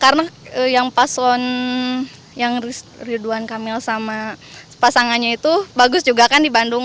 karena yang pason yang ridwan kamil sama pasangannya itu bagus juga kan di bandung